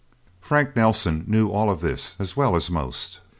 Frank Nelsen knew all this as well as most.